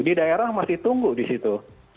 di daerah masih tunggu di situ